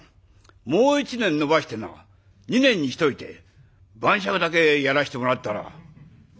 もう一年延ばしてな二年にしといて晩酌だけやらしてもらったら」。